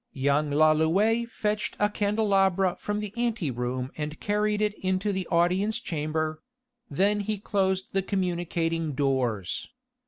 Young Lalouët fetched a candelabra from the ante room and carried it into the audience chamber: then he closed the communicating doors.